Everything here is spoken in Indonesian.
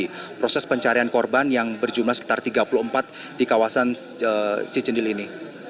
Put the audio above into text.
atau mungkin ada proses pencarian korban yang berjumlah sekitar tiga puluh empat di kawasan cijedil ini